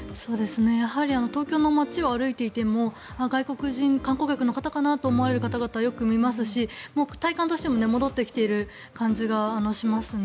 やはり東京の街を歩いていても外国人観光客の方かなと思われる方々よく見ますし体感としても戻ってきている感じがしますね。